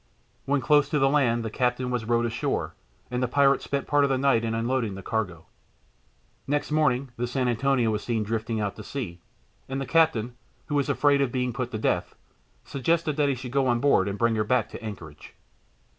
When close to the land the captain was rowed ashore, and the pirates spent part of the night in unloading the cargo. Next morning the San Antonio was seen drifting out to sea, and the captain, who was afraid of being put to death, suggested that he should go on board and bring her back to the anchorage.